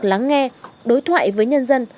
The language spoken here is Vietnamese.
lắng nghe đối thoại với nhân dân